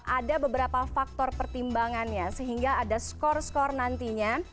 ada beberapa faktor pertimbangannya sehingga ada skor skor nantinya